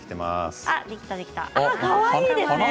かわいいですね。